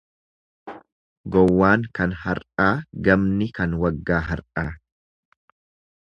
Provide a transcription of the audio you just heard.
Gowwaan kan har'aa, gamni kan waggaa har'aa.